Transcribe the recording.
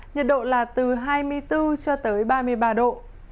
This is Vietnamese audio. nhật độ là từ hai mươi bốn ba mươi ba độ